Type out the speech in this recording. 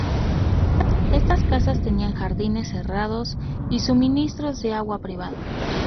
Estas casas tenían jardines cerrados y suministro de agua privado.